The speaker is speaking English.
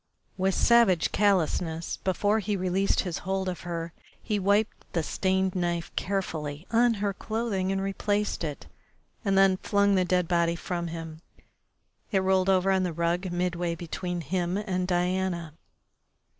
With savage callousness, before he released his hold of her, he wiped the stained knife carefully on her clothing and replaced it, and then flung the dead body from him. It rolled over on the rug midway between him and Diana.